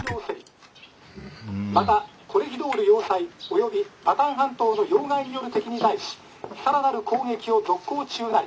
またコレヒドール要塞およびバターン半島の要害に拠る敵に対し更なる攻撃を続行中なり」。